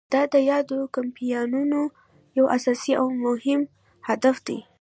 دا د یادو کمپاینونو یو اساسي او مهم هدف دی.